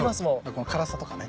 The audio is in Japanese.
この辛さとかね